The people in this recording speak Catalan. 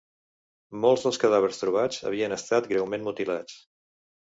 Molts dels cadàvers trobats havien estat greument mutilats.